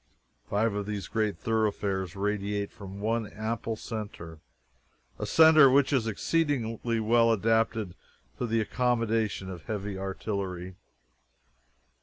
Five of these great thoroughfares radiate from one ample centre a centre which is exceedingly well adapted to the accommodation of heavy artillery.